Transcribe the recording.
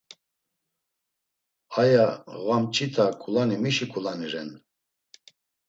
Aya ğvamç̌ita ǩulani mişi ǩulani ren.